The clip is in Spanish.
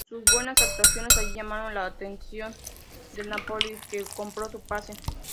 Sus buenas actuaciones allí llamaron la atención del Nápoli, que compró su pase.